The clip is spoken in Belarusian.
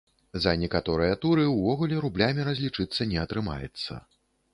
За некаторыя туры увогуле рублямі разлічыцца не атрымаецца.